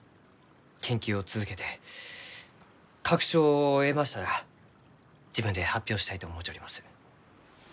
研究を続けて確証を得ましたら自分で発表したいと思うちょります。